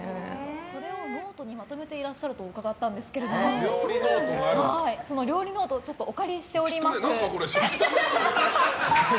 それをノートにまとめてらっしゃると伺ったんですが料理ノートをお借りしております。